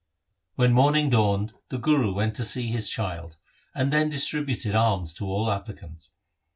When morning dawned, the Guru went to see his child, and then distributed alms to all applicants.